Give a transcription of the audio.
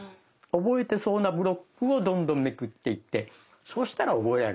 覚えてそうなブロックをどんどんめくっていってそしたら覚えられる。